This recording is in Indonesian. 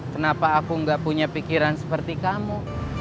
kenapa aku nggak punya pikiran seperti kamu